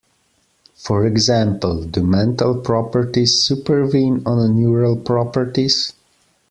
For example: do mental properties supervene on neural properties?